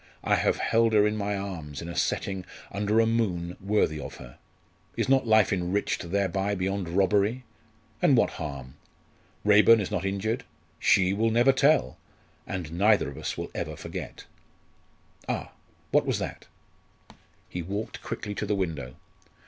I have held her in my arms, in a setting under a moon worthy of her. Is not life enriched thereby beyond robbery? And what harm? Raeburn is not injured. She will never tell and neither of us will ever forget. Ah! what was that?" He walked quickly to the window.